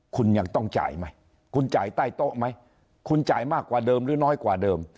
คุณยังต้องจ่ายไหมคุณจ่ายใต้โต๊ะไหมคุณจ่ายมากกว่าเดิมหรือน้อยกว่าเดิม